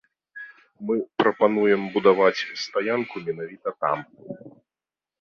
Мы прапануем будаваць стаянку менавіта там.